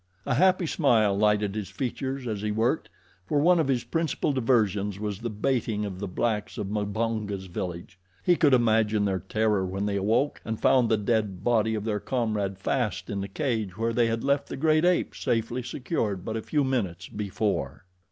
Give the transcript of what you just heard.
A happy smile lighted his features as he worked, for one of his principal diversions was the baiting of the blacks of Mbonga's village. He could imagine their terror when they awoke and found the dead body of their comrade fast in the cage where they had left the great ape safely secured but a few minutes before.